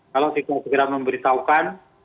kalau tidak segera memberitahukan